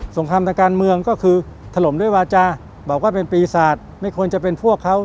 งครามทางการเมืองก็คือถล่มด้วยวาจาบอกว่าเป็นปีศาจไม่ควรจะเป็นพวกเขา